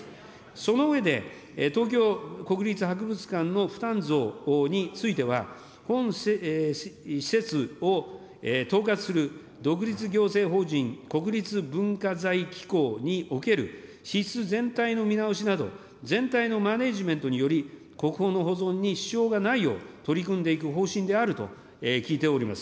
その上で、東京国立博物館の負担増については、本施設を統括する、独立行政法人国立文化財機構における支出全体の見直しなど、全体のマネジメントにより、国宝の保存に支障がないよう、取り組んでいく方針であると聞いております。